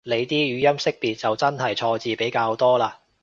你啲語音辨識就真係錯字比較多嘞